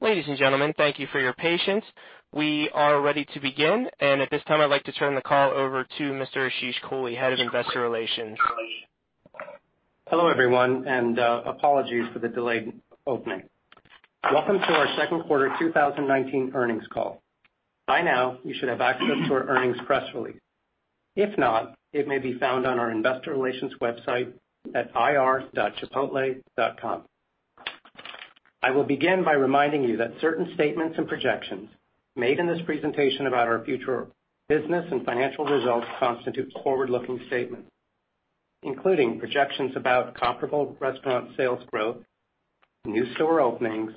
Ladies and gentlemen, thank you for your patience. We are ready to begin, and at this time, I'd like to turn the call over to Mr. Ashish Kohli, Head of Investor Relations. Hello, everyone, and apologies for the delayed opening. Welcome to our second quarter 2019 earnings call. By now, you should have access to our earnings press release. If not, it may be found on our investor relations website at ir.chipotle.com. I will begin by reminding you that certain statements and projections made in this presentation about our future business and financial results constitute forward-looking statements, including projections about comparable restaurant sales growth, new store openings,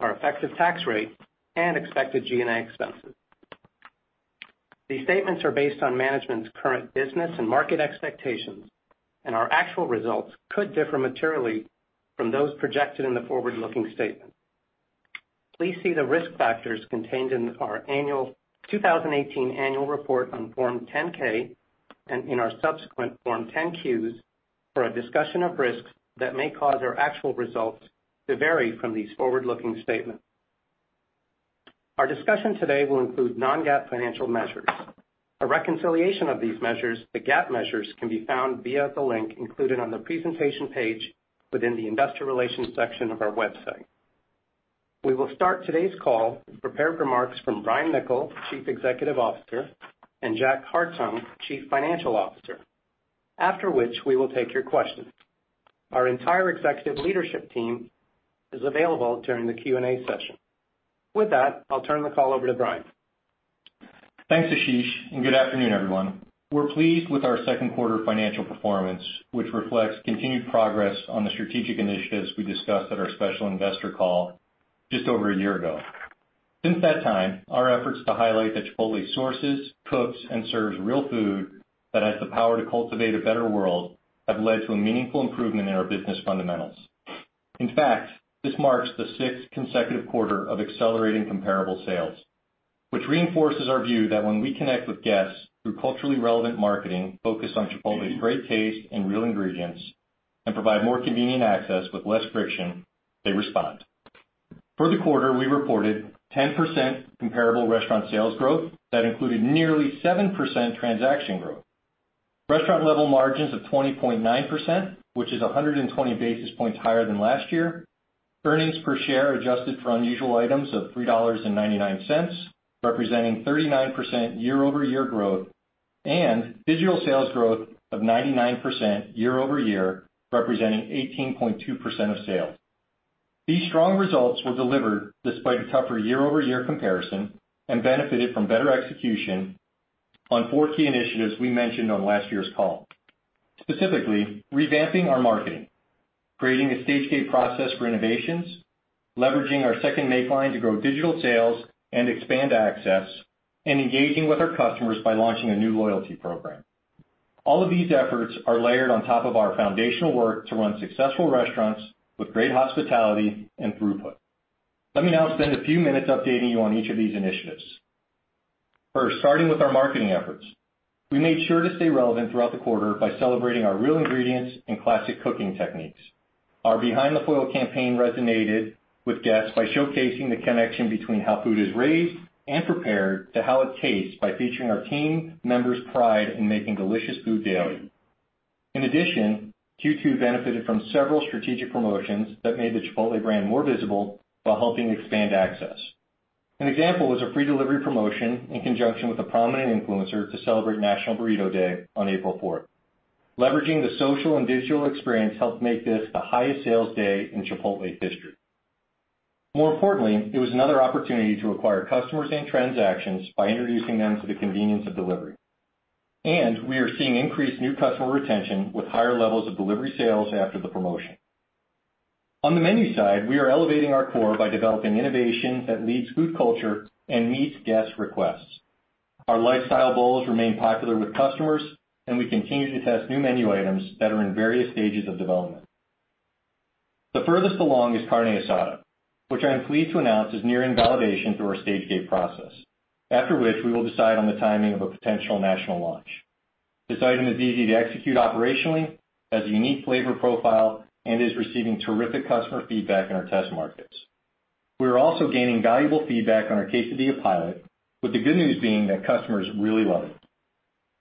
our effective tax rate, and expected G&A expenses. These statements are based on management's current business and market expectations, and our actual results could differ materially from those projected in the forward-looking statement. Please see the risk factors contained in our 2018 annual report on Form 10-K and in our subsequent Form 10-Qs for a discussion of risks that may cause our actual results to vary from these forward-looking statements. Our discussion today will include non-GAAP financial measures. A reconciliation of these measures to GAAP measures can be found via the link included on the presentation page within the investor relations section of our website. We will start today's call with prepared remarks from Brian Niccol, Chief Executive Officer, and Jack Hartung, Chief Financial Officer, after which we will take your questions. Our entire executive leadership team is available during the Q&A session. With that, I'll turn the call over to Brian. Thanks, Ashish, and good afternoon, everyone. We're pleased with our second quarter financial performance, which reflects continued progress on the strategic initiatives we discussed at our special investor call just over a year ago. Since that time, our efforts to highlight that Chipotle sources, cooks, and serves real food that has the power to cultivate a better world have led to a meaningful improvement in our business fundamentals. In fact, this marks the sixth consecutive quarter of accelerating comparable sales, which reinforces our view that when we connect with guests through culturally relevant marketing focused on Chipotle's great taste and real ingredients and provide more convenient access with less friction, they respond. For the quarter, we reported 10% comparable restaurant sales growth. That included nearly 7% transaction growth, restaurant-level margins of 20.9%, which is 120 basis points higher than last year, earnings per share adjusted for unusual items of $3.99, representing 39% year-over-year growth, and digital sales growth of 99% year-over-year, representing 18.2% of sales. These strong results were delivered despite a tougher year-over-year comparison and benefited from better execution on four key initiatives we mentioned on last year's call. Specifically, revamping our marketing, creating a stage gate process for innovations, leveraging our second make-line to grow digital sales and expand access, and engaging with our customers by launching a new loyalty program. All of these efforts are layered on top of our foundational work to run successful restaurants with great hospitality and throughput. Let me now spend a few minutes updating you on each of these initiatives. First, starting with our marketing efforts. We made sure to stay relevant throughout the quarter by celebrating our real ingredients and classic cooking techniques. Our Behind the Foil campaign resonated with guests by showcasing the connection between how food is raised and prepared to how it tastes by featuring our team members' pride in making delicious food daily. In addition, Q2 benefited from several strategic promotions that made the Chipotle brand more visible while helping expand access. An example is a free delivery promotion in conjunction with a prominent influencer to celebrate National Burrito Day on April 4th. Leveraging the social and digital experience helped make this the highest sales day in Chipotle history. More importantly, it was another opportunity to acquire customers and transactions by introducing them to the convenience of delivery. We are seeing increased new customer retention with higher levels of delivery sales after the promotion. On the menu side, we are elevating our core by developing innovation that leads food culture and meets guests' requests. Our Lifestyle Bowls remain popular with customers, and we continue to test new menu items that are in various stages of development. The furthest along is carne asada, which I am pleased to announce is nearing validation through our stage gate process. After which, we will decide on the timing of a potential national launch. This item is easy to execute operationally, has a unique flavor profile, and is receiving terrific customer feedback in our test markets. We are also gaining valuable feedback on our quesadilla pilot, with the good news being that customers really love it.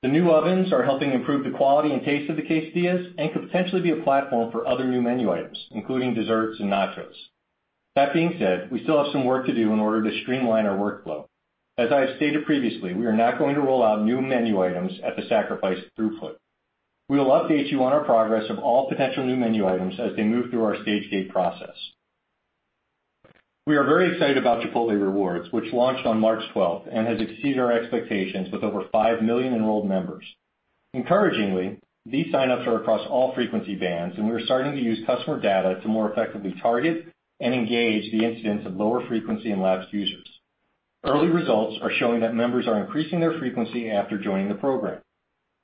The new ovens are helping improve the quality and taste of the quesadillas and could potentially be a platform for other new menu items, including desserts and nachos. That being said, we still have some work to do in order to streamline our workflow. As I have stated previously, we are not going to roll out new menu items at the sacrifice of throughput. We will update you on our progress of all potential new menu items as they move through our stage gate process. We are very excited about Chipotle Rewards, which launched on March 12th and has exceeded our expectations with over 5 million enrolled members. Encouragingly, these sign-ups are across all frequency bands, and we are starting to use customer data to more effectively target and engage the incidence of lower frequency in lapsed users. Early results are showing that members are increasing their frequency after joining the program.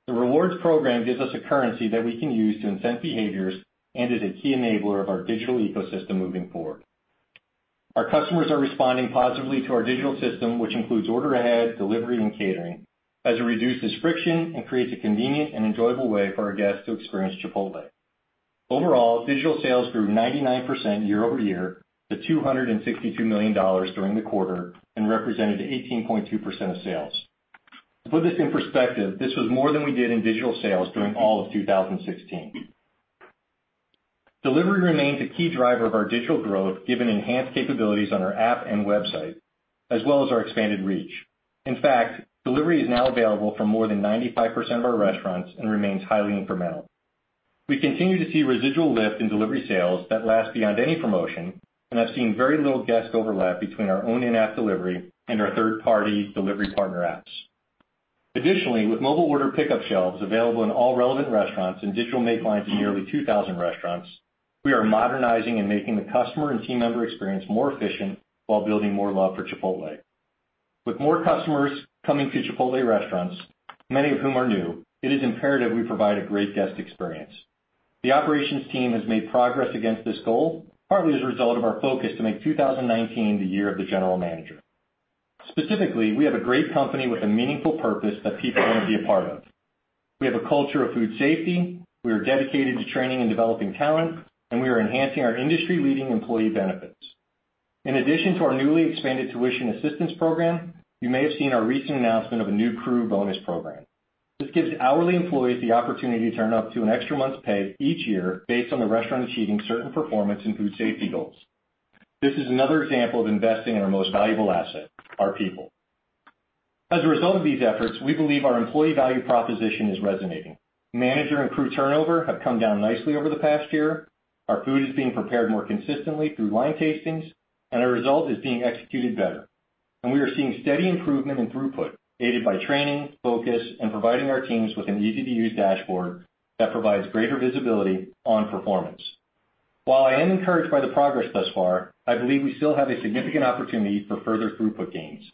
The rewards program gives us a currency that we can use to incent behaviors and is a key enabler of our digital ecosystem moving forward. Our customers are responding positively to our digital system, which includes order ahead, delivery, and catering, as it reduces friction and creates a convenient and enjoyable way for our guests to experience Chipotle. Overall, digital sales grew 99% year-over-year, to $262 million during the quarter and represented 18.2% of sales. To put this in perspective, this was more than we did in digital sales during all of 2016. Delivery remains a key driver of our digital growth, given enhanced capabilities on our app and website, as well as our expanded reach. In fact, delivery is now available for more than 95% of our restaurants and remains highly incremental. We continue to see residual lift in delivery sales that last beyond any promotion, and have seen very little guest overlap between our own in-app delivery and our third-party delivery partner apps. Additionally, with mobile order pickup shelves available in all relevant restaurants and digital make lines in nearly 2,000 restaurants, we are modernizing and making the customer and team member experience more efficient while building more love for Chipotle. With more customers coming to Chipotle restaurants, many of whom are new, it is imperative we provide a great guest experience. The operations team has made progress against this goal, partly as a result of our focus to make 2019 the year of the general manager. Specifically, we have a great company with a meaningful purpose that people want to be a part of. We have a culture of food safety, we are dedicated to training and developing talent, and we are enhancing our industry-leading employee benefits. In addition to our newly expanded tuition assistance program, you may have seen our recent announcement of a new crew bonus program. This gives hourly employees the opportunity to earn up to an extra month's pay each year based on the restaurant achieving certain performance and food safety goals. This is another example of investing in our most valuable asset, our people. As a result of these efforts, we believe our employee value proposition is resonating. Manager and crew turnover have come down nicely over the past year. Our food is being prepared more consistently through line tastings, and our result is being executed better. We are seeing steady improvement in throughput, aided by training, focus, and providing our teams with an easy-to-use dashboard that provides greater visibility on performance. While I am encouraged by the progress thus far, I believe we still have a significant opportunity for further throughput gains.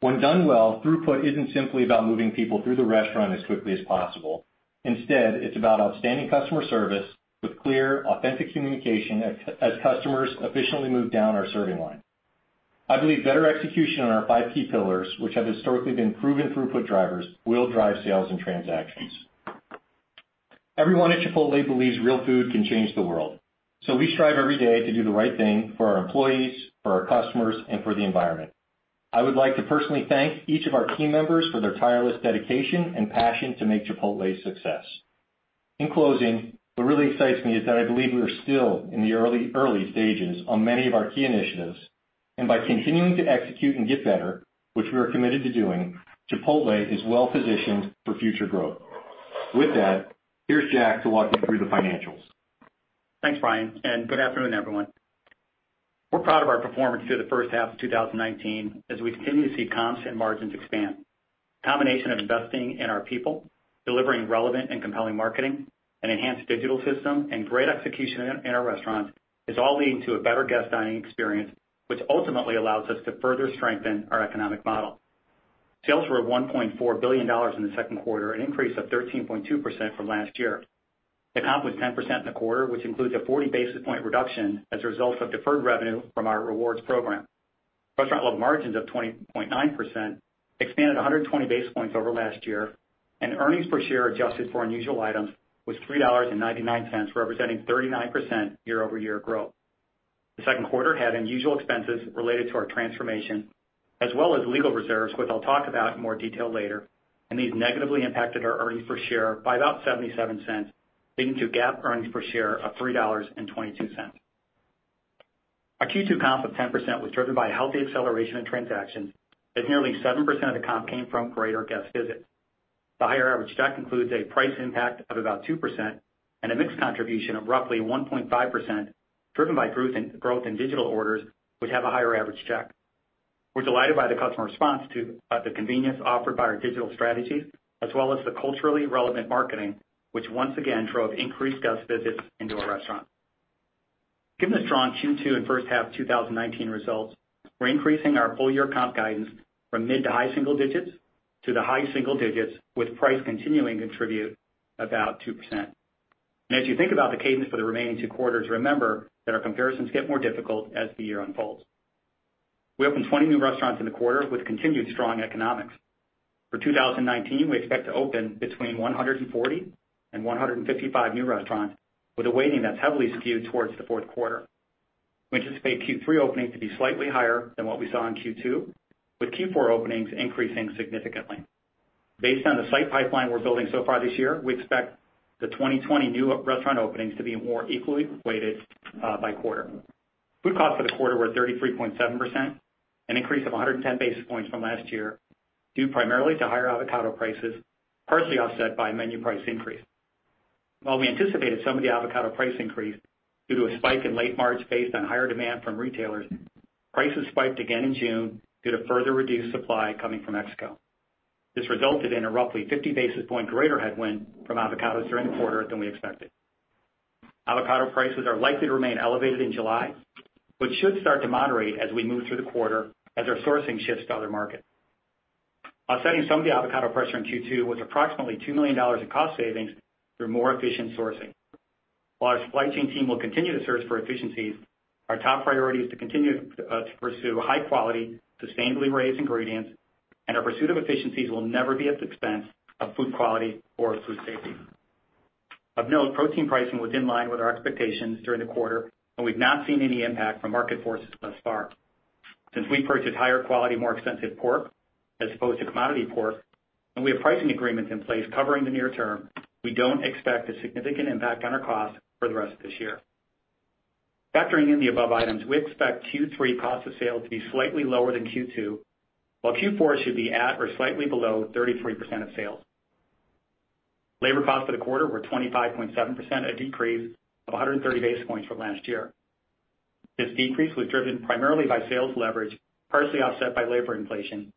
When done well, throughput isn't simply about moving people through the restaurant as quickly as possible. Instead, it's about outstanding customer service with clear, authentic communication as customers efficiently move down our serving line. I believe better execution on our five key pillars, which have historically been proven throughput drivers, will drive sales and transactions. Everyone at Chipotle believes real food can change the world, so we strive every day to do the right thing for our employees, for our customers, and for the environment. I would like to personally thank each of our team members for their tireless dedication and passion to make Chipotle a success. In closing, what really excites me is that I believe we are still in the early stages on many of our key initiatives, and by continuing to execute and get better, which we are committed to doing, Chipotle is well positioned for future growth. With that, here's Jack to walk you through the financials. Thanks, Brian, good afternoon, everyone. We're proud of our performance through the first half of 2019 as we continue to see comps and margins expand. A combination of investing in our people, delivering relevant and compelling marketing, an enhanced digital system, and great execution in our restaurants is all leading to a better guest dining experience, which ultimately allows us to further strengthen our economic model. Sales were at $1.4 billion in the second quarter, an increase of 13.2% from last year. The comp was 10% in the quarter, which includes a 40 basis point reduction as a result of deferred revenue from our Chipotle Rewards program. Restaurant level margins of 20.9% expanded 120 basis points over last year, earnings per share adjusted for unusual items was $3.99, representing 39% year-over-year growth. The second quarter had unusual expenses related to our transformation, as well as legal reserves, which I'll talk about in more detail later, and these negatively impacted our earnings per share by about $0.77, leading to GAAP earnings per share of $3.22. Our Q2 comp of 10% was driven by a healthy acceleration in transactions, as nearly 7% of the comp came from greater guest visits. The higher average check includes a price impact of about 2% and a mix contribution of roughly 1.5%, driven by growth in digital orders, which have a higher average check. We're delighted by the customer response to the convenience offered by our digital strategies, as well as the culturally relevant marketing, which once again drove increased guest visits into our restaurants. Given the strong Q2 and first half 2019 results, we're increasing our full year comp guidance from mid- to high-single digits to the high-single digits, with price continuing to contribute about 2%. As you think about the cadence for the remaining two quarters, remember that our comparisons get more difficult as the year unfolds. We opened 20 new restaurants in the quarter with continued strong economics. For 2019, we expect to open between 140 and 155 new restaurants, with a weighting that's heavily skewed towards the fourth quarter. We anticipate Q3 openings to be slightly higher than what we saw in Q2, with Q4 openings increasing significantly. Based on the site pipeline we're building so far this year, we expect the 2020 new restaurant openings to be more equally weighted by quarter. Food cost for the quarter were 33.7%, an increase of 110 basis points from last year, due primarily to higher avocado prices, partially offset by menu price increase. While we anticipated some of the avocado price increase due to a spike in late March based on higher demand from retailers, prices spiked again in June due to further reduced supply coming from Mexico. This resulted in a roughly 50 basis point greater headwind from avocados during the quarter than we expected. Avocado prices are likely to remain elevated in July, but should start to moderate as we move through the quarter as our sourcing shifts to other markets. Offsetting some of the avocado pressure in Q2 was approximately $2 million in cost savings through more efficient sourcing. While our supply chain team will continue to search for efficiencies, our top priority is to continue to pursue high quality, sustainably raised ingredients. Our pursuit of efficiencies will never be at the expense of food quality or food safety. Of note, protein pricing was in line with our expectations during the quarter, and we've not seen any impact from market forces thus far. Since we purchase higher quality, more expensive pork as opposed to commodity pork, and we have pricing agreements in place covering the near term, we don't expect a significant impact on our cost for the rest of this year. Factoring in the above items, we expect Q3 cost of sales to be slightly lower than Q2, while Q4 should be at or slightly below 33% of sales. Labor costs for the quarter were 25.7%, a decrease of 130 basis points from last year. This decrease was driven primarily by sales leverage, partially offset by labor inflation,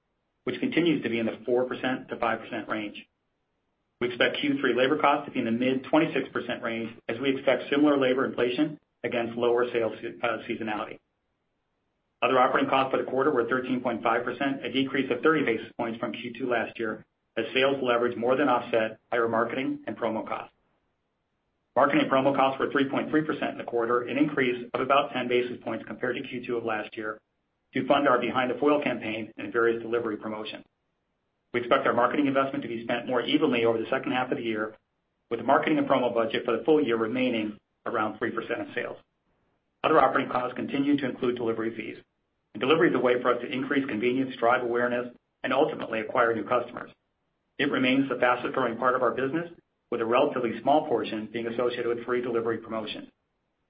which continues to be in the 4% to 5% range. We expect Q3 labor costs to be in the mid 26% range as we expect similar labor inflation against lower sales seasonality. Other operating costs for the quarter were 13.5%, a decrease of 30 basis points from Q2 last year, as sales leverage more than offset higher marketing and promo costs. Marketing and promo costs were 3.3% in the quarter, an increase of about 10 basis points compared to Q2 of last year to fund our Behind the Foil campaign and various delivery promotions. We expect our marketing investment to be spent more evenly over the second half of the year, with the marketing and promo budget for the full year remaining around 3% of sales. Other operating costs continue to include delivery fees, and delivery is a way for us to increase convenience, drive awareness, and ultimately acquire new customers. It remains the fastest growing part of our business, with a relatively small portion being associated with free delivery promotions.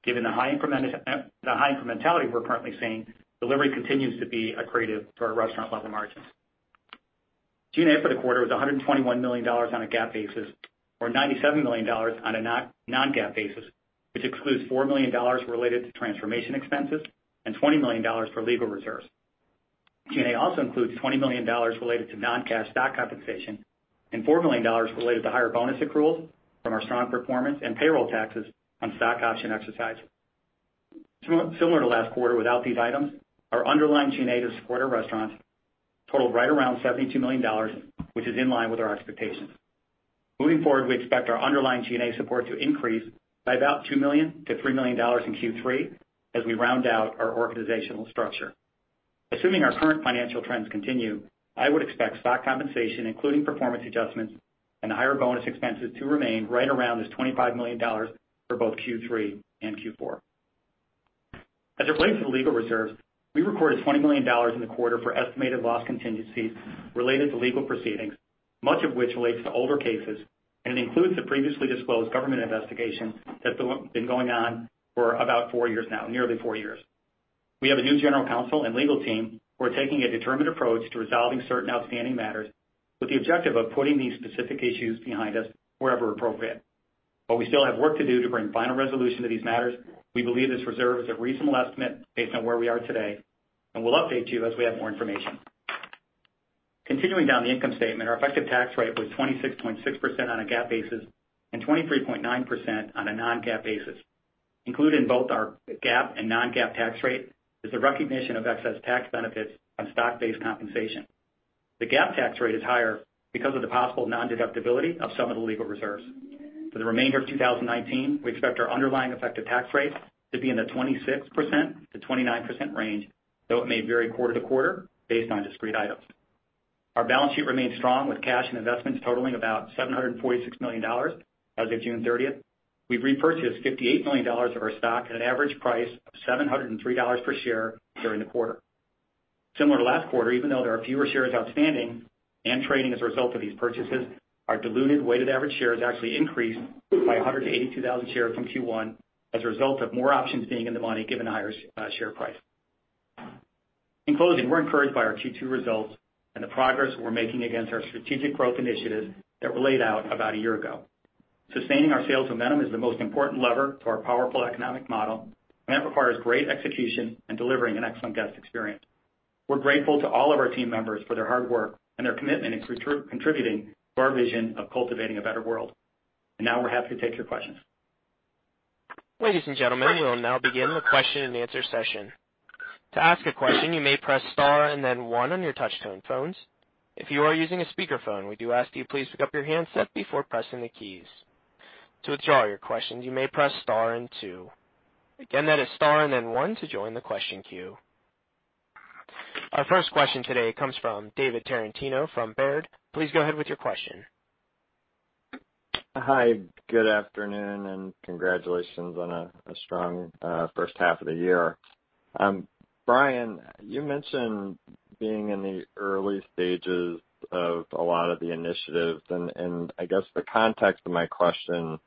Given the high incrementality we're currently seeing, delivery continues to be accretive to our restaurant level margins. G&A for the quarter was $121 million on a GAAP basis, or $97 million on a non-GAAP basis, which excludes $4 million related to transformation expenses and $20 million for legal reserves. G&A also includes $20 million related to non-cash stock compensation and $4 million related to higher bonus accruals from our strong performance and payroll taxes on stock option exercises. Similar to last quarter, without these items, our underlying G&A to support our restaurants totaled right around $72 million, which is in line with our expectations. Moving forward, we expect our underlying G&A support to increase by about $2 to 3 million in Q3 as we round out our organizational structure. Assuming our current financial trends continue, I would expect stock compensation, including performance adjustments and higher bonus expenses, to remain right around this $25 million for both Q3 and Q4. As it relates to legal reserves, we recorded $20 million in the quarter for estimated loss contingencies related to legal proceedings, much of which relates to older cases, and it includes the previously disclosed government investigation that's been going on for about four years now, nearly four years. We have a new general counsel and legal team who are taking a determined approach to resolving certain outstanding matters with the objective of putting these specific issues behind us wherever appropriate. While we still have work to do to bring final resolution to these matters, we believe this reserve is a reasonable estimate based on where we are today, and we'll update you as we have more information. Continuing down the income statement, our effective tax rate was 26.6% on a GAAP basis and 23.9% on a non-GAAP basis. Included in both our GAAP and non-GAAP tax rate is the recognition of excess tax benefits on stock-based compensation. The GAAP tax rate is higher because of the possible non-deductibility of some of the legal reserves. For the remainder of 2019, we expect our underlying effective tax rate to be in the 26% to 29% range, though it may vary quarter to quarter based on discrete items. Our balance sheet remains strong, with cash and investments totaling about $746 million as of June 30th. We've repurchased $58 million of our stock at an average price of $703 per share during the quarter. Similar to last quarter, even though there are fewer shares outstanding and trading as a result of these purchases, our diluted weighted average shares actually increased by 182,000 shares from Q1 as a result of more options being in the money, given the higher share price. In closing, we're encouraged by our Q2 results and the progress we're making against our strategic growth initiatives that were laid out about a year ago. That requires great execution and delivering an excellent guest experience. We're grateful to all of our team members for their hard work and their commitment in contributing to our vision of cultivating a better world. Now we're happy to take your questions. Ladies and gentlemen, we will now begin the question and answer session. To ask a question, you may press star and then one on your touch tone phones. If you are using a speakerphone, we do ask you please pick up your handset before pressing the keys. To withdraw your questions, you may press star and two. Again, that is star and then one to join the question queue. Our first question today comes from David Tarantino from Baird. Please go ahead with your question. Hi, good afternoon. Congratulations on a strong first half of the year. Brian, you mentioned being in the early stages of a lot of the initiatives, and I guess the context of my question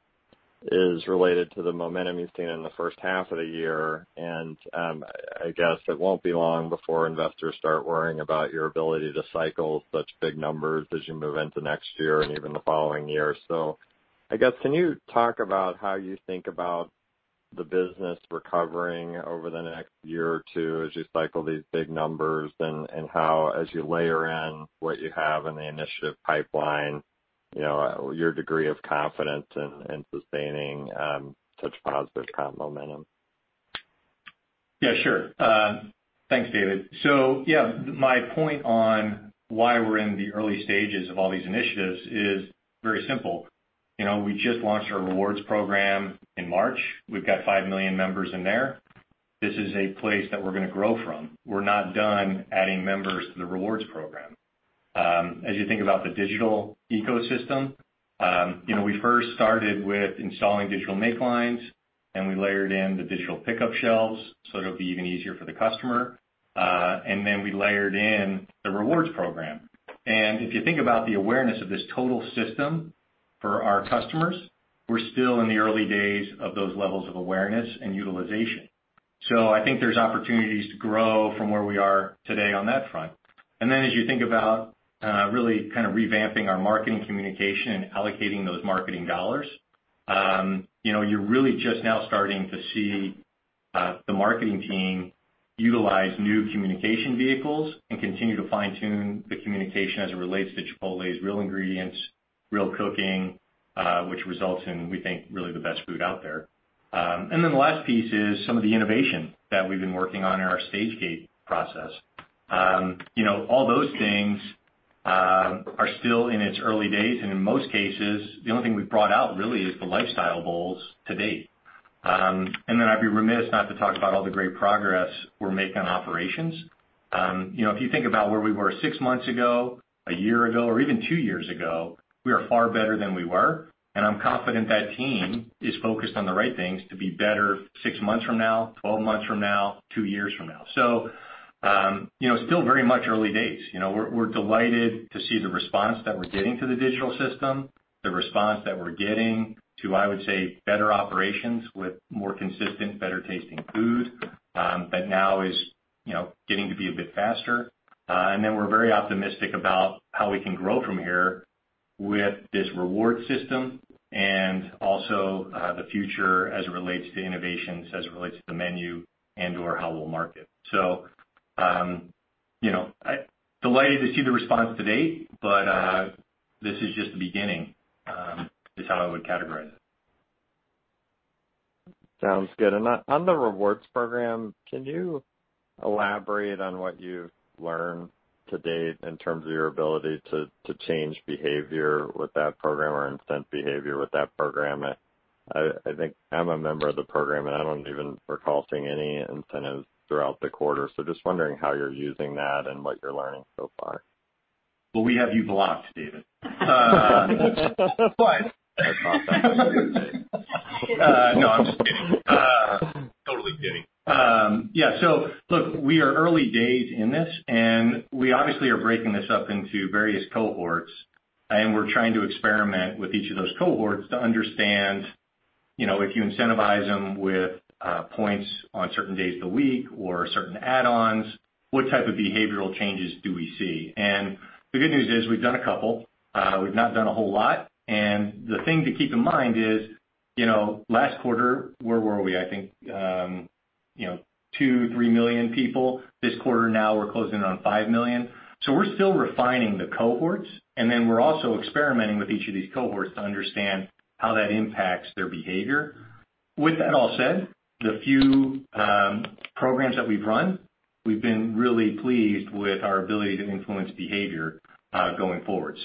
is related to the momentum you've seen in the first half of the year, and I guess it won't be long before investors start worrying about your ability to cycle such big numbers as you move into next year and even the following year. I guess, can you talk about how you think about the business recovering over the next year or two as you cycle these big numbers, and how, as you layer in what you have in the initiative pipeline, your degree of confidence in sustaining such positive comp momentum? Yeah, sure. Thanks, David. Yeah, my point on why we're in the early stages of all these initiatives is very simple. We just launched our rewards program in March. We've got five million members in there. This is a place that we're going to grow from. We're not done adding members to the Chipotle Rewards program. As you think about the digital ecosystem, we first started with installing digital make lines, and we layered in the digital pickup shelves, so it'll be even easier for the customer. We layered in the Chipotle Rewards program. If you think about the awareness of this total system for our customers, we're still in the early days of those levels of awareness and utilization. I think there's opportunities to grow from where we are to day on that front. As you think about really revamping our marketing communication and allocating those marketing dollars, you're really just now starting to see the marketing team utilize new communication vehicles and continue to fine-tune the communication as it relates to Chipotle's real ingredients, real cooking which results in, we think, really the best food out there. The last piece is some of the innovation that we've been working on in our stage gate process. All those things are still in its early days, and in most cases, the only thing we've brought out really is the Lifestyle Bowls to date. I'd be remiss not to talk about all the great progress we're making on operations. If you think about where we were six months ago, a year ago, or even two years ago, we are far better than we were, and I'm confident that team is focused on the right things to be better six months from now, 12 months from now, two years from now. Still very much early days. We're delighted to see the response that we're getting to the digital system, the response that we're getting to, I would say, better operations with more consistent, better tasting food that now is getting to be a bit faster. We're very optimistic about how we can grow from here with this Rewards system and also, the future as it relates to innovations, as it relates to the menu and/or how we'll market. Delighted to see the response to date, but this is just the beginning, is how I would categorize it. Sounds good. On the Chipotle Rewards program, can you elaborate on what you've learned to date in terms of your ability to change behavior with that program or incent behavior with that program? I think I'm a member of the program, and I don't even recall seeing any incentives throughout the quarter. Just wondering how you're using that and what you're learning so far. Well, we have you blocked, David. No, I'm just kidding. Totally kidding. Yeah. Look, we are early days in this, and we obviously are breaking this up into various cohorts. We're trying to experiment with each of those cohorts to understand, if you incentivize them with points on certain days of the week or certain add-ons, what type of behavioral changes do we see? The good news is we've done a couple. We've not done a whole lot. The thing to keep in mind is, last quarter, where were we? I think 2, 3 million people. This quarter now we're closing on 5 million. We're still refining the cohorts, we're also experimenting with each of these cohorts to understand how that impacts their behavior. With that all said, the few programs that we've run, we've been really pleased with our ability to influence behavior going forward.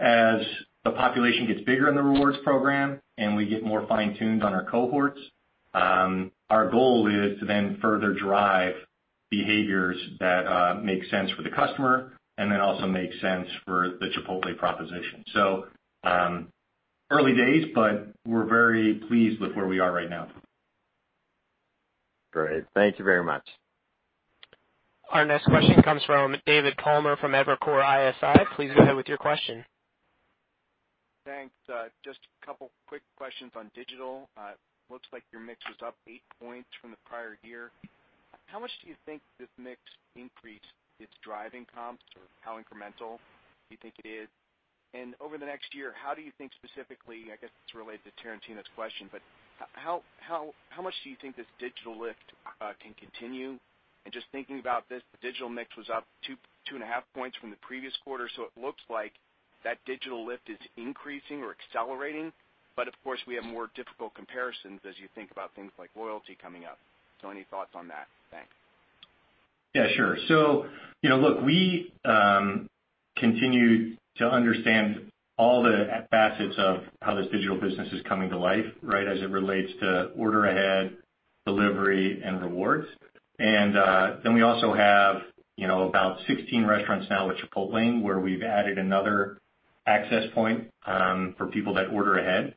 As the population gets bigger in the Rewards program and we get more fine-tuned on our cohorts, our goal is to then further drive behaviors that make sense for the customer and then also make sense for the Chipotle proposition. Early days, but we're very pleased with where we are right now. Great. Thank you very much. Our next question comes from David Palmer from Evercore ISI. Please go ahead with your question. Thanks. Just a couple of quick questions on digital. Looks like your mix was up eight points from the prior year. How much do you think this mix increase is driving comps, or how incremental do you think it is? Over the next year, how do you think specifically, I guess this relates to Tarantino's question, how much do you think this digital lift can continue? Just thinking about this, the digital mix was up two and a half points from the previous quarter, it looks like that digital lift is increasing or accelerating. Of course, we have more difficult comparisons as you think about things like loyalty coming up. Any thoughts on that? Thanks. Yeah, sure. Look, we continue to understand all the facets of how this digital business is coming to life as it relates to order ahead, delivery, and rewards. We also have about 16 restaurants now with Chipotle, where we've added another access point for people that order ahead.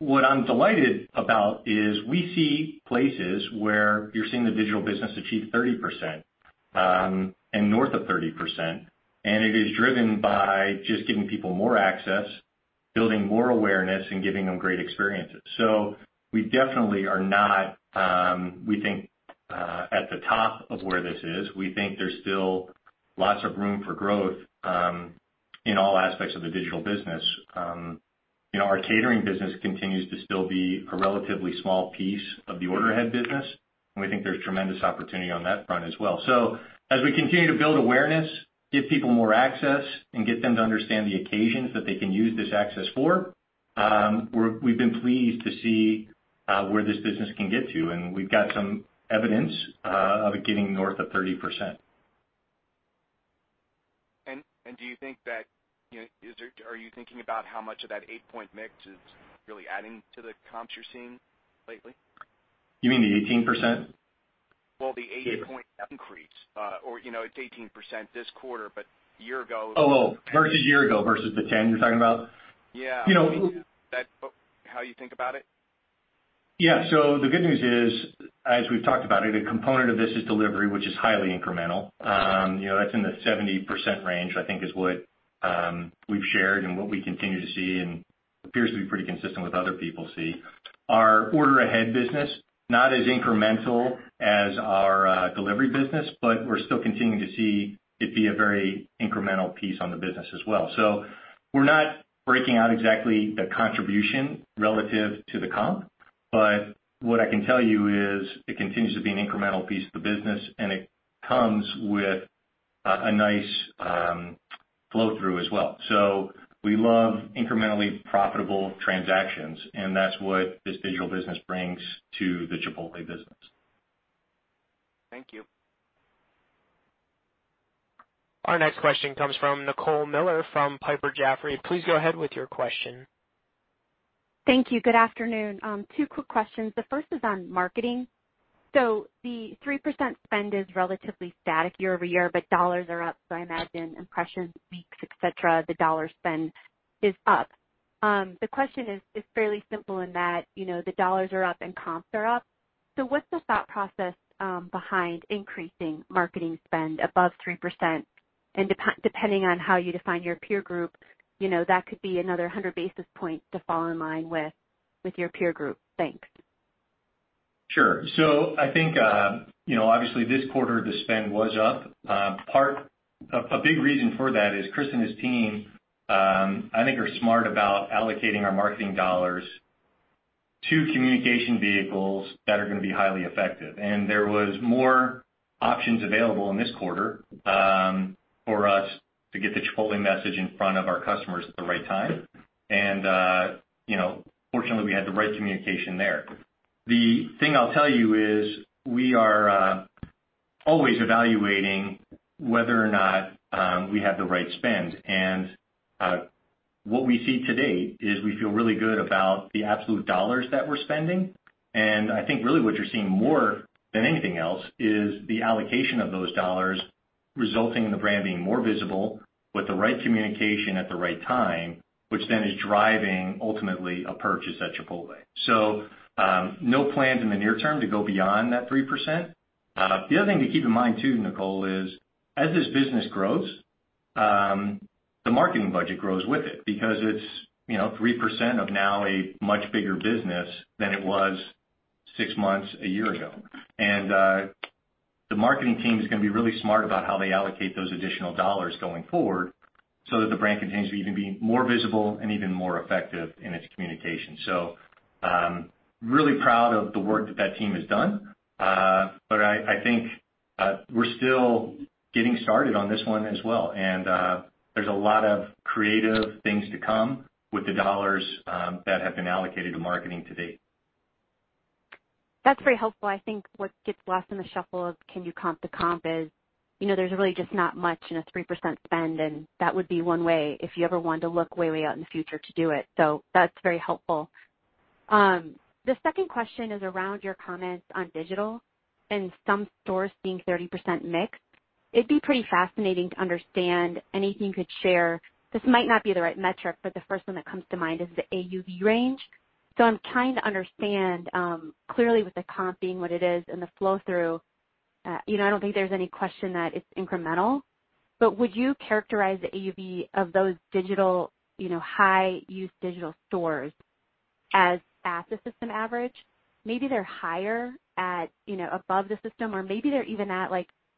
What I'm delighted about is we see places where you're seeing the digital business achieve 30%, and north of 30%. It is driven by just giving people more access, building more awareness, and giving them great experiences. We definitely are not, we think, at the top of where this is. We think there's still lots of room for growth in all aspects of the digital business. Our catering business continues to still be a relatively small piece of the order ahead business, and we think there's tremendous opportunity on that front as well. As we continue to build awareness, give people more access, and get them to understand the occasions that they can use this access for, we've been pleased to see where this business can get to, and we've got some evidence of it getting north of 30%. Are you thinking about how much of that eight-point mix is really adding to the comps you're seeing lately? You mean the 18%? Well, the eight-point increase. It's 18% this quarter, but a year ago- Oh, versus a year ago, versus the 10%, you're talking about? Yeah. You know. Is that how you think about it? Yeah. The good news is, as we've talked about it, a component of this is delivery, which is highly incremental. That's in the 70% range, I think is what we've shared and what we continue to see, and appears to be pretty consistent with what other people see. Our order ahead business, not as incremental as our delivery business, but we're still continuing to see it be a very incremental piece on the business as well. We're not breaking out exactly the contribution relative to the comp, but what I can tell you is it continues to be an incremental piece of the business and it comes with a nice flow through as well. We love incrementally profitable transactions, and that's what this digital business brings to the Chipotle business. Thank you. Our next question comes from Nicole Miller from Piper Jaffray. Please go ahead with your question. Thank you. Good afternoon. Two quick questions. The first is on marketing. The 3% spend is relatively static year-over-year, but $ are up, I imagine impressions, reach, et cetera, the $ spend is up. The question is fairly simple in that, the $ are up and comps are up. What's the thought process behind increasing marketing spend above 3%? Depending on how you define your peer group, that could be another 100 basis points to fall in line with your peer group. Thanks. I think, obviously this quarter the spend was up. A big reason for that is Chris and his team, I think are smart about allocating our marketing dollars to communication vehicles that are going to be highly effective. There was more options available in this quarter for us to get the Chipotle message in front of our customers at the right time. Fortunately, we had the right communication there. The thing I'll tell you is we are always evaluating whether or not we have the right spend. What we see to date is we feel really good about the absolute dollars that we're spending. I think really what you're seeing more than anything else is the allocation of those dollars resulting in the brand being more visible with the right communication at the right time, which then is driving, ultimately, a purchase at Chipotle. No plans in the near term to go beyond that 3%. The other thing to keep in mind too, Nicole, is as this business grows, the marketing budget grows with it because it's 3% of now a much bigger business than it was six months, a year ago. The marketing team is going to be really smart about how they allocate those additional dollars going forward so that the brand continues to even be more visible and even more effective in its communication. Really proud of the work that that team has done. I think, we're still getting started on this one as well. There's a lot of creative things to come with the dollars that have been allocated to marketing to date. That's very helpful. I think what gets lost in the shuffle of can you comp the comp is, there's really just not much in a 3% spend, and that would be one way if you ever wanted to look way out in the future to do it. That's very helpful. The second question is around your comments on digital and some stores seeing 30% mix. It'd be pretty fascinating to understand anything you could share. This might not be the right metric, but the first one that comes to mind is the AUV range. I'm trying to understand, clearly with the comp being what it is and the flow through, I don't think there's any question that it's incremental, but would you characterize the AUV of those high-use digital stores as at the system average? Maybe they're higher at above the system, or maybe they're even at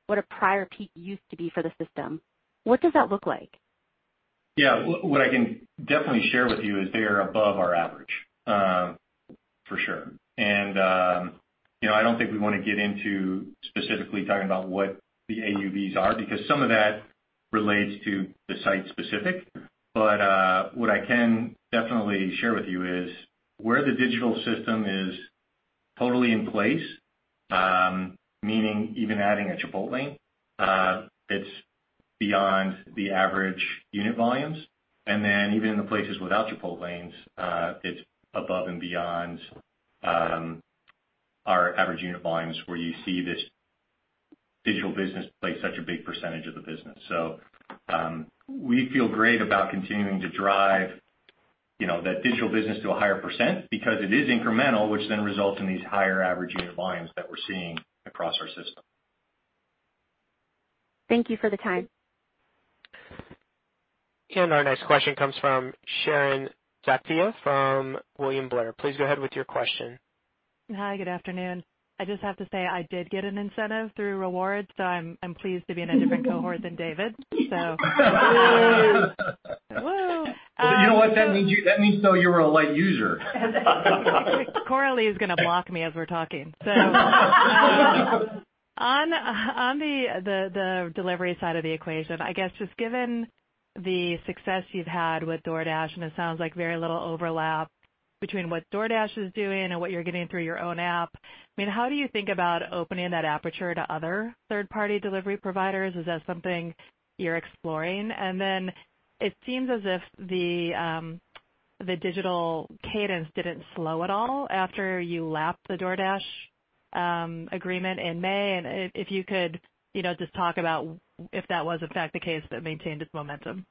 what a prior peak used to be for the system. What does that look like? Yeah. What I can definitely share with you is they are above our average, for sure. I don't think we want to get into specifically talking about what the AUVs are, because some of that relates to the site specific. What I can definitely share with you is where the digital system is totally in place, meaning even adding a Chipotlane, it's beyond the average unit volumes. Even in the places without Chipotlanes, it's above and beyond our average unit volumes where you see this digital business play such a big % of the business. We feel great about continuing to drive that digital business to a higher % because it is incremental, which then results in these higher average unit volumes that we're seeing across our system. Thank you for the time. Our next question comes from Sharon Zackfia from William Blair. Please go ahead with your question. Hi, good afternoon. I just have to say, I did get an incentive through Rewards, so I'm pleased to be in a different cohort than David. Woo. You know what? That means though you were a light user. Coraly is going to block me as we're talking, on the delivery side of the equation, I guess, just given the success you've had with DoorDash, and it sounds like very little overlap between what DoorDash is doing and what you're getting through your own app, how do you think about opening that aperture to other third-party delivery providers? Is that something you're exploring? It seems as if the digital cadence didn't slow at all after you lapped the DoorDash agreement in May. If you could just talk about if that was in fact the case, that maintained its momentum.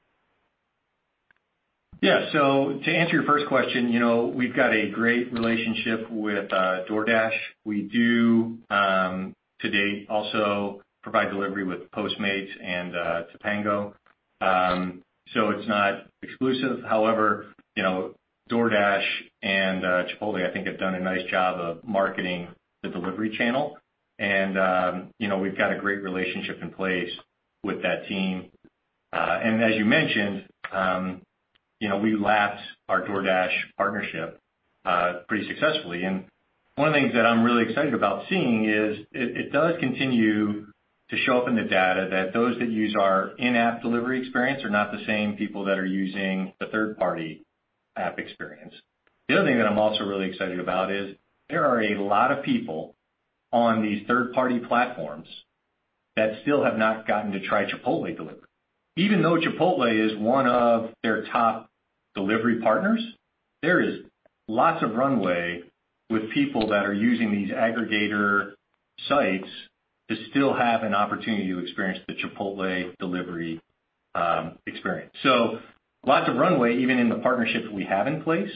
Yeah. To answer your first question, we've got a great relationship with DoorDash. We do, to date, also provide delivery with Postmates and Tapingo. It's not exclusive. However, DoorDash and Chipotle, I think, have done a nice job of marketing the delivery channel. We've got a great relationship in place with that team. As you mentioned, we lapped our DoorDash partnership pretty successfully. One of the things that I'm really excited about seeing is it does continue to show up in the data that those that use our in-app delivery experience are not the same people that are using the third-party app experience. The other thing that I'm also really excited about is there are a lot of people on these third-party platforms that still have not gotten to try Chipotle delivery. Even though Chipotle is one of their top delivery partners, there is lots of runway with people that are using these aggregator sites to still have an opportunity to experience the Chipotle delivery experience. Lots of runway, even in the partnerships we have in place.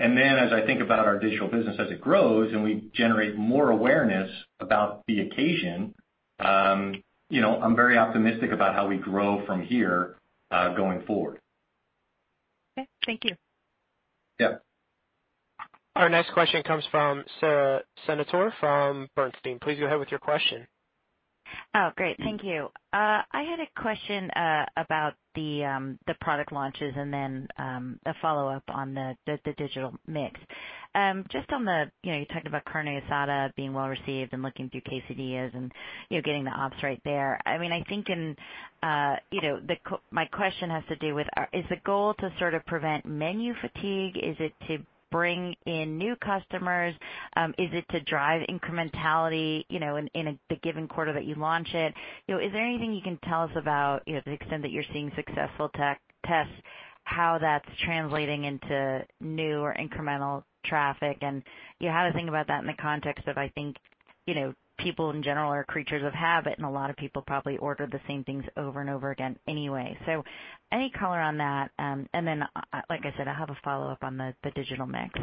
As I think about our digital business as it grows and we generate more awareness about the occasion, I'm very optimistic about how we grow from here, going forward. Okay. Thank you. Yeah. Our next question comes from Sara Senatore from Bernstein. Please go ahead with your question. Oh, great. Thank you. I had a question about the product launches and then a follow-up on the digital mix. Just on the, you talked about carne asada being well-received and looking through quesadillas and getting the ops right there. My question has to do with, is the goal to sort of prevent menu fatigue? Is it to bring in new customers? Is it to drive incrementality in the given quarter that you launch it? Is there anything you can tell us about the extent that you're seeing successful tests, how that's translating into new or incremental traffic? You have to think about that in the context of, I think, people in general are creatures of habit, and a lot of people probably order the same things over and over again anyway. Any color on that? Then, like I said, I have a follow-up on the digital mix.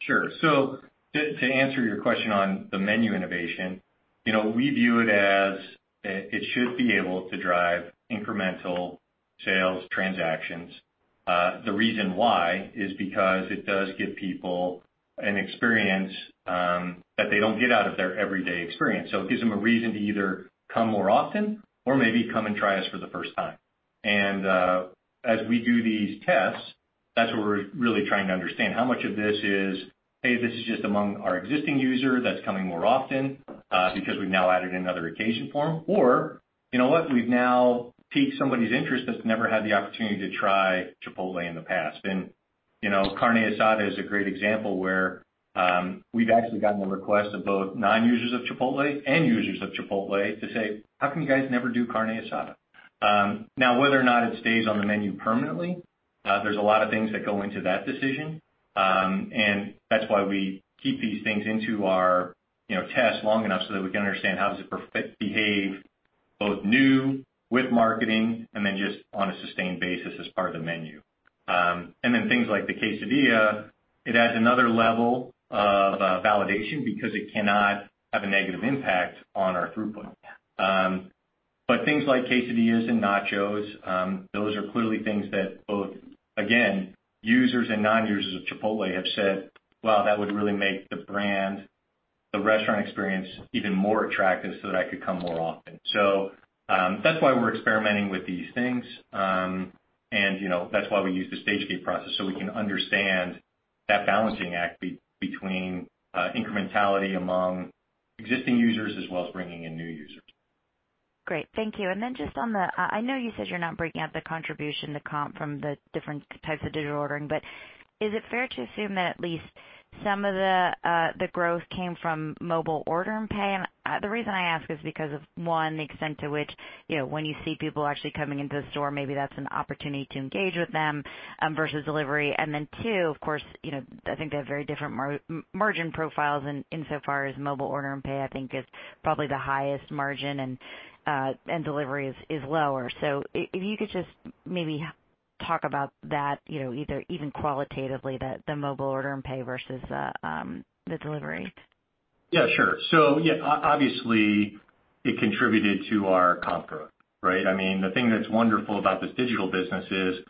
Sure. To answer your question on the menu innovation, we view it as, it should be able to drive incremental sales transactions. The reason why is because it does give people an experience that they don't get out of their everyday experience. It gives them a reason to either come more often or maybe come and try us for the first time. As we do these tests, that's what we're really trying to understand. How much of this is, hey, this is just among our existing user that's coming more often because we've now added another occasion form. You know what? We've now piqued somebody's interest that's never had the opportunity to try Chipotle in the past. Carne asada is a great example where we've actually gotten the request of both non-users of Chipotle and users of Chipotle to say, "How come you guys never do carne asada?" Whether or not it stays on the menu permanently, there's a lot of things that go into that decision. That's why we keep these things into our tests long enough so that we can understand how does it behave, both new with marketing and then just on a sustained basis as part of the menu. Then things like the quesadilla, it adds another level of validation because it cannot have a negative impact on our throughput. Things like quesadillas and nachos, those are clearly things that both, again, users and non-users of Chipotle have said, "Wow, that would really make the brand, the restaurant experience, even more attractive so that I could come more often." That's why we're experimenting with these things. That's why we use the stage gate process so we can understand that balancing act between incrementality among existing users as well as bringing in new users. Great. Thank you. Just on the, I know you said you're not breaking out the contribution to comp from the different types of digital ordering, but is it fair to assume that at least some of the growth came from mobile order and pay? The reason I ask is because of, one, the extent to which when you see people actually coming into the store, maybe that's an opportunity to engage with them, versus delivery. Two, of course, I think they have very different margin profiles in so far as mobile order and pay, I think is probably the highest margin, and delivery is lower. If you could just maybe talk about that, even qualitatively, the mobile order and pay versus the delivery. Yeah, sure. Obviously it contributed to our comp growth, right? The thing that's wonderful about this digital business is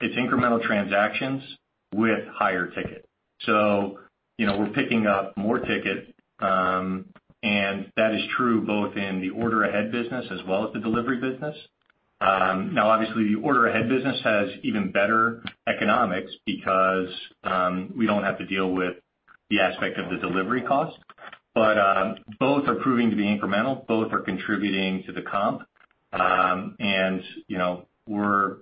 it's incremental transactions with higher ticket. We're picking up more ticket, and that is true both in the order ahead business as well as the delivery business. Obviously the order ahead business has even better economics because we don't have to deal with the aspect of the delivery cost. Both are proving to be incremental, both are contributing to the comp, and we're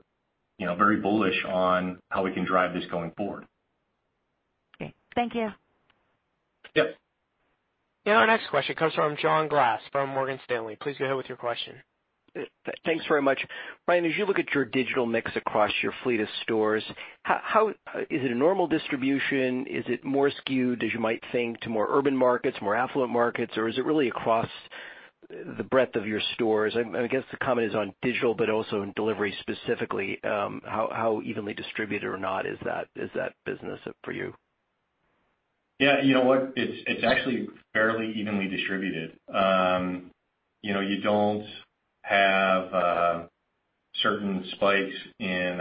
very bullish on how we can drive this going forward. Okay. Thank you. Yep. Our next question comes from John Glass from Morgan Stanley. Please go ahead with your question. Thanks very much. Brian, as you look at your digital mix across your fleet of stores, is it a normal distribution? Is it more skewed, as you might think, to more urban markets, more affluent markets, or is it really across the breadth of your stores? I guess the comment is on digital, but also in delivery specifically, how evenly distributed or not is that business for you? Yeah, you know what? It's actually fairly evenly distributed. You don't have certain spikes in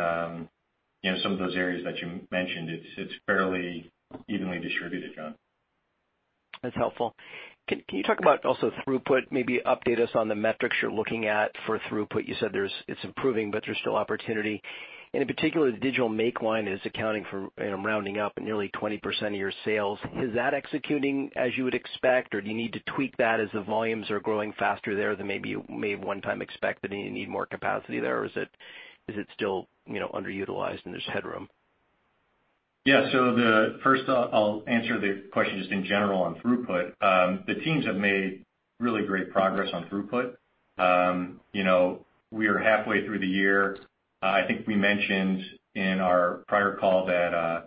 some of those areas that you mentioned. It's fairly evenly distributed, John. That's helpful. Can you talk about also throughput, maybe update us on the metrics you're looking at for throughput. You said it's improving, but there's still opportunity and in particular, the digital make line is accounting for, rounding up, nearly 20% of your sales. Is that executing as you would expect, or do you need to tweak that as the volumes are growing faster there than maybe you may have one time expected and you need more capacity there, or is it still underutilized and there's headroom? Yeah. First, I'll answer the question just in general on throughput. The teams have made really great progress on throughput. We are halfway through the year. I think we mentioned in our prior call that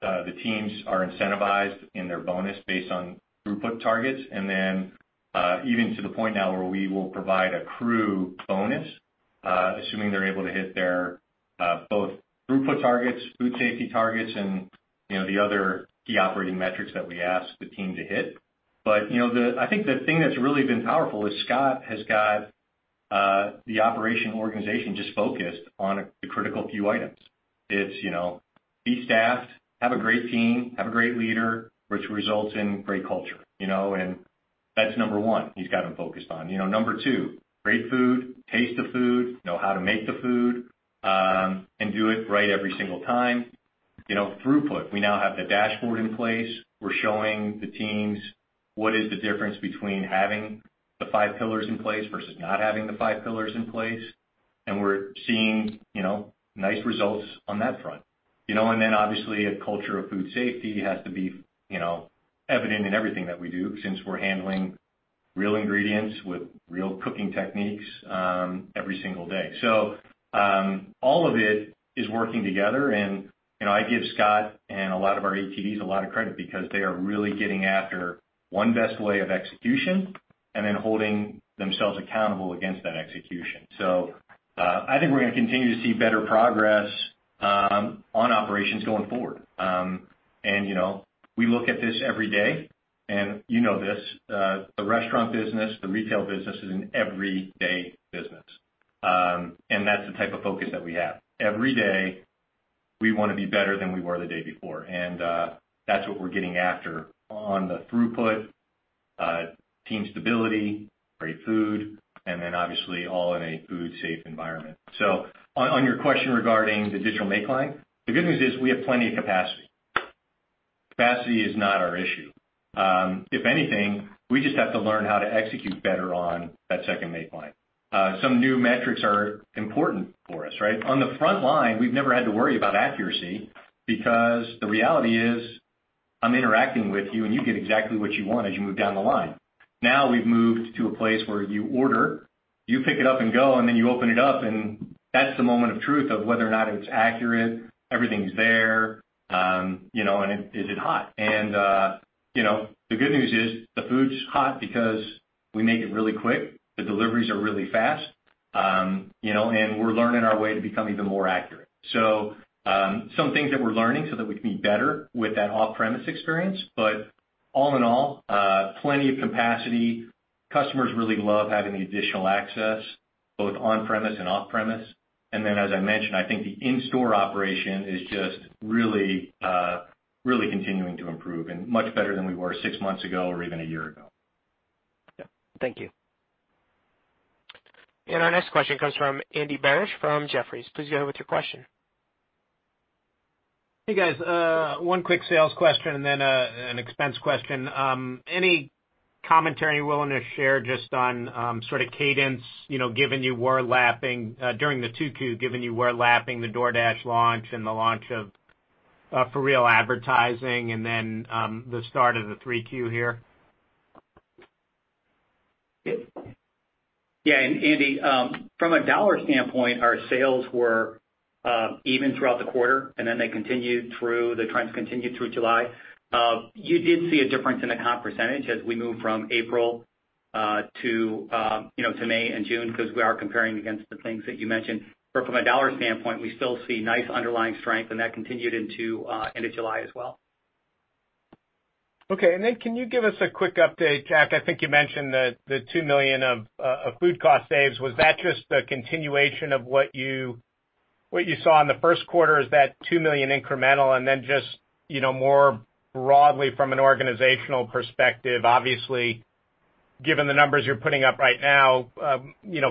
the teams are incentivized in their bonus based on throughput targets, even to the point now where we will provide a crew bonus, assuming they're able to hit their both throughput targets, food safety targets, and the other key operating metrics that we ask the team to hit. I think the thing that's really been powerful is Scott has got the operation organization just focused on the critical few items. It's be staffed, have a great team, have a great leader, which results in great culture. That's number one he's got them focused on. Number two, great food, taste the food, know how to make the food, and do it right every single time. Throughput, we now have the dashboard in place. We're showing the teams what is the difference between having the five pillars in place versus not having the five pillars in place. We're seeing nice results on that front. Obviously, a culture of food safety has to be evident in everything that we do since we're handling real ingredients with real cooking techniques every single day. All of it is working together, and I give Scott and a lot of our ATDs a lot of credit because they are really getting after one best way of execution and then holding themselves accountable against that execution. I think we're going to continue to see better progress on operations going forward. We look at this every day, and you know this. The restaurant business, the retail business is an everyday business. That's the type of focus that we have. Every day, we want to be better than we were the day before. That's what we're getting after on the throughput, team stability, great food, and then obviously all in a food safe environment. On your question regarding the digital make line, the good news is we have plenty of capacity. Capacity is not our issue. If anything, we just have to learn how to execute better on that second make line. Some new metrics are important for us, right? On the front line, we've never had to worry about accuracy because the reality is I'm interacting with you, and you get exactly what you want as you move down the line. The good news is the food's hot because we make it really quick. The deliveries are really fast. We're learning our way to become even more accurate. Some things that we're learning so that we can be better with that off-premise experience. All in all, plenty of capacity. Customers really love having the additional access, both on-premise and off-premise. As I mentioned, I think the in-store operation is just really continuing to improve and much better than we were six months ago or even a year ago. Yeah. Thank you. Our next question comes from Andy Barish from Jefferies. Please go ahead with your question. Hey, guys. One quick sales question and then an expense question. Any commentary you're willing to share just on sort of cadence, during the 2Q, given you were lapping the DoorDash launch and the launch of For Real advertising and then the start of the 3Q here? Yeah. Andy, from a dollar standpoint, our sales were even throughout the quarter, then the trends continued through July. You did see a difference in the comp percentage as we moved from April to May and June because we are comparing against the things that you mentioned. From a dollar standpoint, we still see nice underlying strength, and that continued into end of July as well. Okay. Can you give us a quick update, Jack? I think you mentioned the $2 million of food cost saves. Was that just a continuation of what you saw in the first quarter? Is that $2 million incremental? Just more broadly from an organizational perspective, obviously, given the numbers you're putting up right now,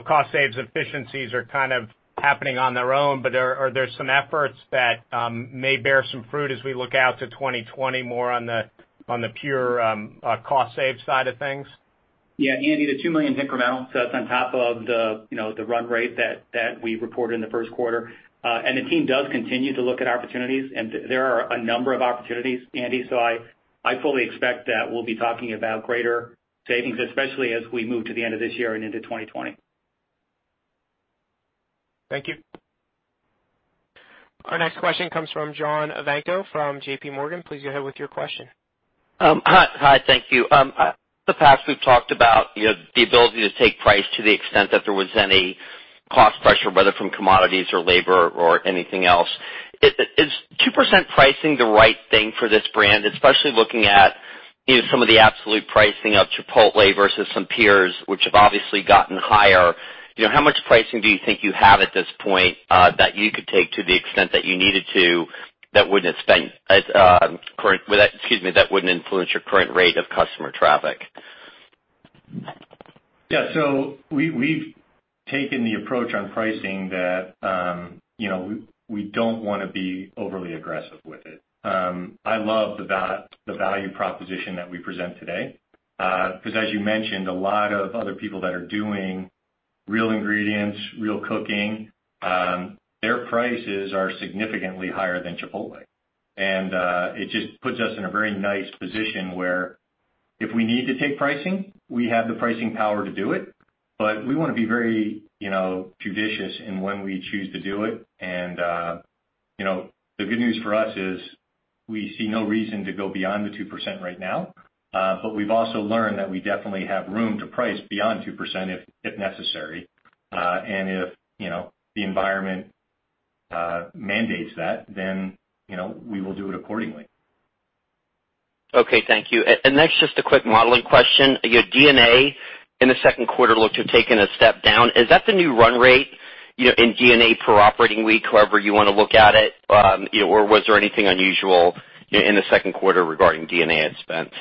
cost saves efficiencies are kind of happening on their own, but are there some efforts that may bear some fruit as we look out to 2020 more on the pure cost save side of things? Yeah, Andy, the $2 million's incremental. That's on top of the run rate that we reported in the first quarter. The team does continue to look at opportunities, and there are a number of opportunities, Andy. I fully expect that we'll be talking about greater savings, especially as we move to the end of this year and into 2020. Thank you. Our next question comes from John Ivankoe from JP Morgan. Please go ahead with your question. Hi. Thank you. In the past we've talked about the ability to take price to the extent that there was any cost pressure, whether from commodities or labor or anything else. Is 2% pricing the right thing for this brand, especially looking at some of the absolute pricing of Chipotle versus some peers which have obviously gotten higher? How much pricing do you think you have at this point, that you could take to the extent that you needed to, that wouldn't influence your current rate of customer traffic? Yeah. We've taken the approach on pricing that we don't want to be overly aggressive with it. I love the value proposition that we present today. As you mentioned, a lot of other people that are doing real ingredients, real cooking, their prices are significantly higher than Chipotle. It just puts us in a very nice position where if we need to take pricing, we have the pricing power to do it, but we want to be very judicious in when we choose to do it. The good news for us is we see no reason to go beyond the 2% right now. We've also learned that we definitely have room to price beyond 2% if necessary. If the environment mandates that, then we will do it accordingly. Okay, thank you. Next, just a quick modeling question. Your D&A in the second quarter looked to have taken a step down. Is that the new run rate in D&A per operating week, however you want to look at it? Or was there anything unusual in the second quarter regarding D&A ad spends?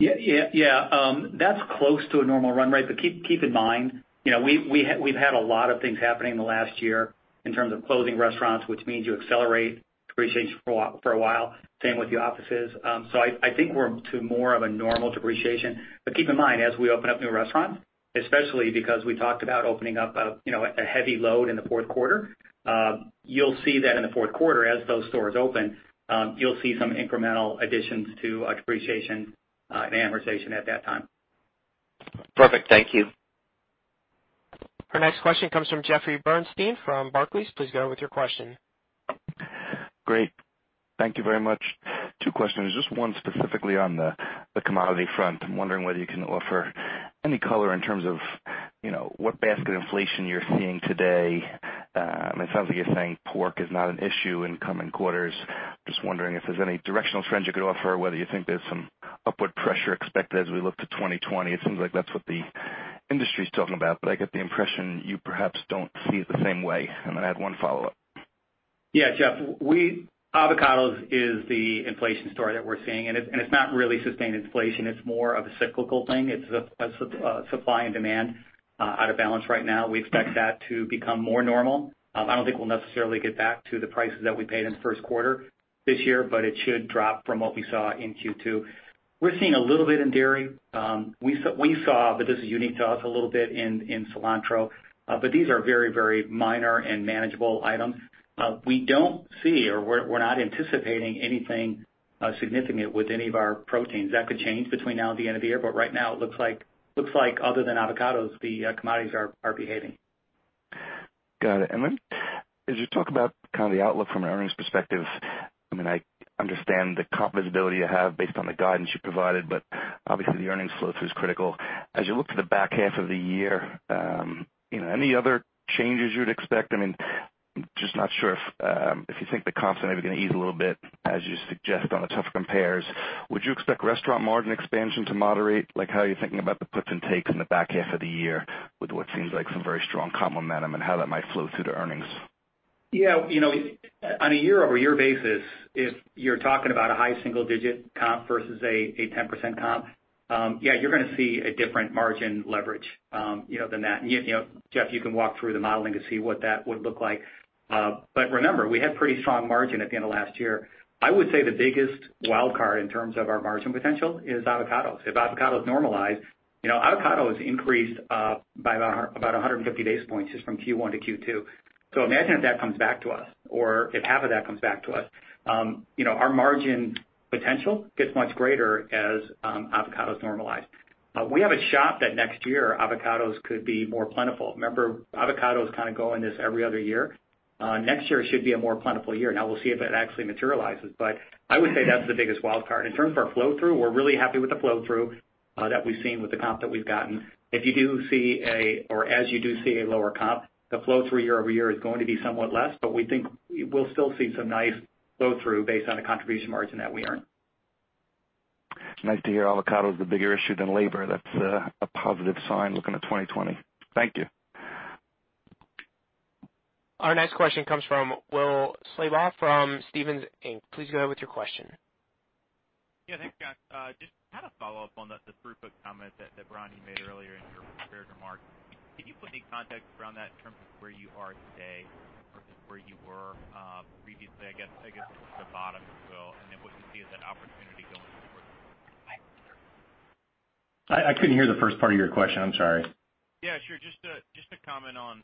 That's close to a normal run rate, but keep in mind, we've had a lot of things happening in the last year in terms of closing restaurants, which means you accelerate depreciation for a while. Same with the offices. I think we're to more of a normal depreciation. Keep in mind, as we open up new restaurants, especially because we talked about opening up a heavy load in the fourth quarter. You'll see that in the fourth quarter as those stores open, you'll see some incremental additions to Depreciation and Amortization at that time. Perfect. Thank you. Our next question comes from Jeffrey Bernstein from Barclays. Please go with your question. Great. Thank you very much. Two questions, just one specifically on the commodity front. I'm wondering whether you can offer any color in terms of what basket inflation you're seeing today. It sounds like you're saying pork is not an issue in coming quarters. Just wondering if there's any directional trends you could offer, whether you think there's some upward pressure expected as we look to 2020. It seems like that's what the industry's talking about, but I get the impression you perhaps don't see it the same way. I had one follow-up. Yeah, Jeffrey, avocados is the inflation story that we're seeing. It's not really sustained inflation. It's more of a cyclical thing. It's a supply and demand out of balance right now. We expect that to become more normal. I don't think we'll necessarily get back to the prices that we paid in the first quarter this year. It should drop from what we saw in Q2. We're seeing a little bit in dairy. We saw, this is unique to us, a little bit in cilantro. These are very minor and manageable items. We don't see, we're not anticipating anything significant with any of our proteins. That could change between now and the end of the year. Right now it looks like other than avocados, the commodities are behaving. Got it. As you talk about the outlook from an earnings perspective, I understand the comp visibility you have based on the guidance you provided, but obviously the earnings flow through is critical. As you look to the back half of the year, any other changes you'd expect? I'm just not sure if you think the comp's ever going to ease a little bit as you suggest on the tougher compares. Would you expect restaurant margin expansion to moderate? How are you thinking about the puts and takes in the back half of the year with what seems like some very strong comp momentum and how that might flow through to earnings? On a year-over-year basis, if you're talking about a high single-digit comp versus a 10% comp, you're going to see a different margin leverage than that. Jeff, you can walk through the modeling to see what that would look like. Remember, we had pretty strong margin at the end of last year. I would say the biggest wild card in terms of our margin potential is avocados. If avocados normalize, avocados increased by about 150 basis points just from Q1 to Q2. Imagine if that comes back to us or if half of that comes back to us. Our margin potential gets much greater as avocados normalize. We have a shot that next year avocados could be more plentiful. Remember, avocados kind of go in this every other year. Next year should be a more plentiful year. We'll see if it actually materializes, but I would say that's the biggest wild card. In terms of our flow through, we're really happy with the flow through that we've seen with the comp that we've gotten. If you do see a, or as you do see a lower comp, the flow through year-over-year is going to be somewhat less, but we think we'll still see some nice flow through based on the contribution margin that we earn. Nice to hear avocado's the bigger issue than labor. That's a positive sign looking at 2020. Thank you. Our next question comes from Will Slabaugh from Stephens Inc. Please go ahead with your question. Yeah. Thanks, John. Just had a follow-up on the throughput comment that, Brian, you made earlier in your prepared remarks. Can you put any context around that in terms of where you are today versus where you were previously, I guess, the bottom as well, and then what you see as an opportunity going forward? I couldn't hear the first part of your question. I'm sorry. Yeah, sure. Just a comment on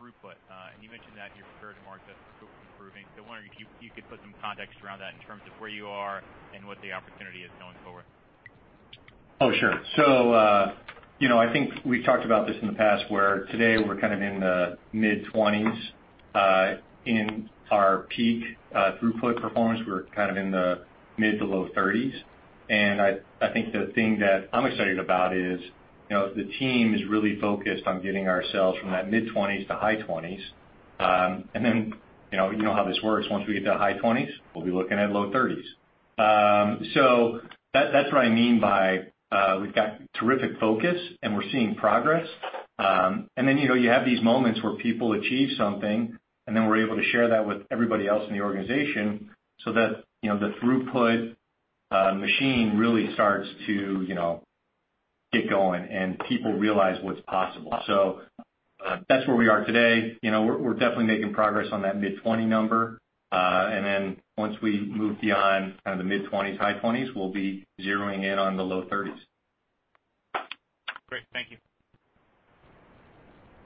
throughput. You mentioned in your prepared remarks that it's improving. I wonder if you could put some context around that in terms of where you are and what the opportunity is going forward. Oh, sure. I think we've talked about this in the past where today we're kind of in the mid-20s. In our peak throughput performance, we're kind of in the mid to low 30s. I think the thing that I'm excited about is the team is really focused on getting ourselves from that mid 20s to high 20s. You know how this works. Once we get to the high 20s, we'll be looking at low 30s. That's what I mean by, we've got terrific focus and we're seeing progress. You have these moments where people achieve something, and then we're able to share that with everybody else in the organization so that the throughput machine really starts to get going and people realize what's possible. That's where we are today. We're definitely making progress on that mid 20 number. Once we move beyond kind of the mid 20s, high 20s, we'll be zeroing in on the low 30s. Great. Thank you.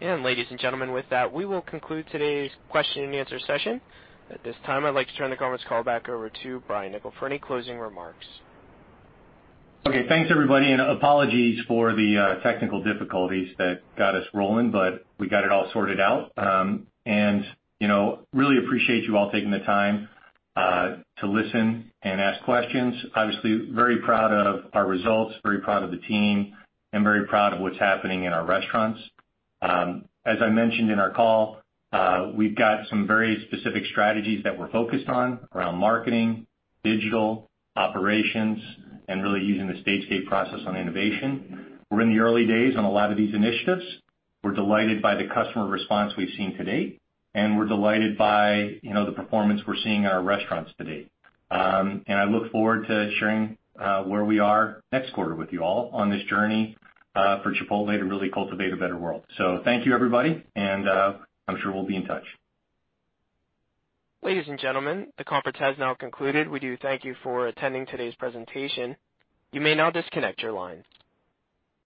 Ladies and gentlemen, with that, we will conclude today's question and answer session. At this time, I'd like to turn the conference call back over to Brian Niccol for any closing remarks. Thanks, everybody, apologies for the technical difficulties that got us rolling, but we got it all sorted out. Really appreciate you all taking the time to listen and ask questions. Obviously, very proud of our results, very proud of the team, and very proud of what's happening in our restaurants. As I mentioned in our call, we've got some very specific strategies that we're focused on around marketing, digital, operations, and really using the stage gate process on innovation. We're in the early days on a lot of these initiatives. We're delighted by the customer response we've seen to date, and we're delighted by the performance we're seeing in our restaurants to date. I look forward to sharing where we are next quarter with you all on this journey for Chipotle to really cultivate a better world. Thank you, everybody, and I'm sure we'll be in touch. Ladies and gentlemen, the conference has now concluded. We do thank you for attending today's presentation. You may now disconnect your lines.